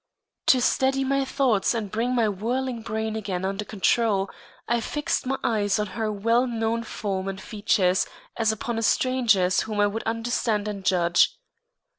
To steady my thoughts and bring my whirling brain again under control, I fixed my eyes on her well known form and features as upon a stranger's whom I would understand and judge.